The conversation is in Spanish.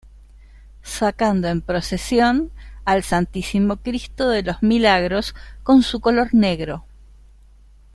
Sacando en Procesión al Santísimo Cristo de los Milagros, con su color negro.